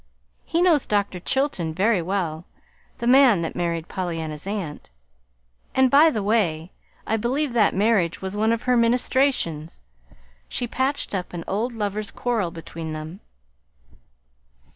He knows Dr. Chilton very well the man that married Pollyanna's aunt. And, by the way, I believe that marriage was one of her ministrations. She patched up an old lovers' quarrel between them.